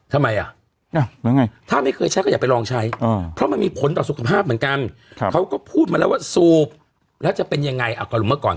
อืมอืมอืมอืมอืมอืมอืมอืมอืมอืมอืมอืมอืมอืมอืมอืม